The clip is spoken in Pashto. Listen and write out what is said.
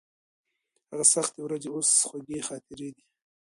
هغه سختې ورځې اوس خوږې خاطرې دي.